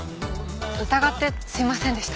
疑ってすいませんでした。